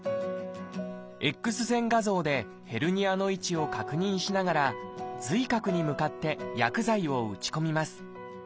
Ｘ線画像でヘルニアの位置を確認しながら髄核に向かって薬剤を打ち込みます。